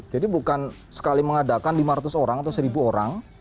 jadi bukan sekali mengadakan lima ratus orang atau seribu orang